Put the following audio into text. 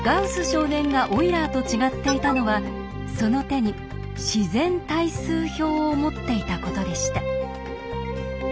少年がオイラーと違っていたのはその手に「自然対数表」を持っていたことでした。